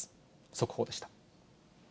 速報でした。